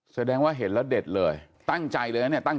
แสดงว่าเห็นแล้วเด็ดเลยตั้งใจเลยนะเนี่ย